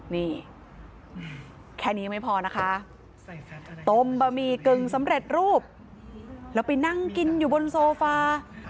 นี่แค่นี้ยังไม่พอนะคะต้มบะหมี่กึ่งสำเร็จรูปแล้วไปนั่งกินอยู่บนโซฟา